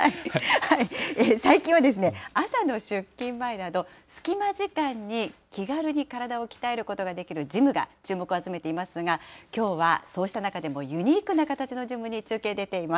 最近は朝の出勤前など、隙間時間に気軽に体を鍛えることができるジムが注目を集めていますが、きょうはそうした中でもユニークな形のジムに中継、出ています。